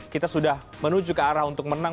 kita sudah menuju ke arah untuk menang